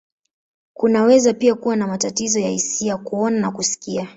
Kunaweza pia kuwa na matatizo ya hisia, kuona, na kusikia.